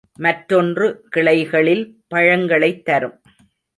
மற்றொன்று கிளைகளில் பழங்களைத் தரும்.